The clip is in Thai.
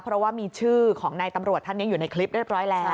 เพราะว่ามีชื่อของนายตำรวจท่านนี้อยู่ในคลิปเรียบร้อยแล้ว